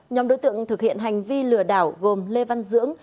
nhóm đối tượng thực hiện hành vi lừa đảo gồm lê văn dưỡng